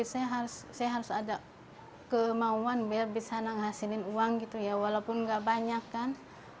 saya harus ada kemauan biar bisa menghasilkan uang gitu ya walaupun nggak banyak kan